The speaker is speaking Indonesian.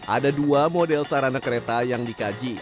ada dua model sarana kereta yang dikaji